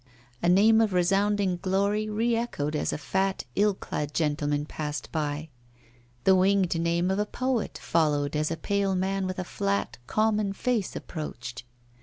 A name of resounding glory re echoed as a fat, ill clad gentleman passed by; the winged name of a poet followed as a pale man with a flat, common face approached.